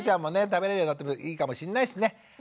食べれるようになってもいいかもしんないしね。